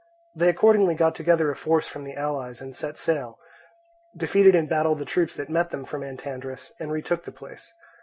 They accordingly got together a force from the allies and set sail, defeated in battle the troops that met them from Antandrus, and retook the place.